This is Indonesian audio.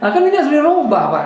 kan ini asli roba pak